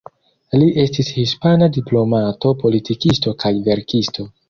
Li estis hispana diplomato, politikisto kaj verkisto.